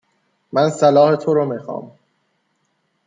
من صلاح تو رو میخوام